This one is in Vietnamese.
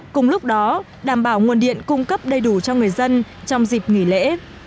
cùng lúc đó đảm bảo nguồn điện cung cấp đầy đủ cho người dân trong dịp nghỉ lễ